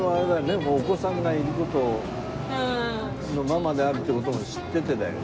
もうお子さんがいる事をママであるって事も知っててだよね。